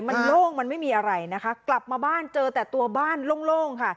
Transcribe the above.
มันโล่งมันไม่มีอะไรนะคะกลับมาบ้านเจอแต่ตัวบ้านโล่งค่ะ